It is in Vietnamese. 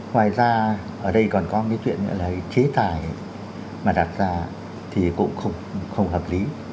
ngoài ra ở đây còn có cái chuyện nữa là chế tài mà đặt ra thì cũng không hợp lý